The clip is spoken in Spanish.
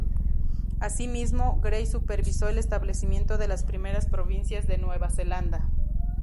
Asimismo, Grey supervisó el establecimiento de las primeras provincias de Nueva Zelanda.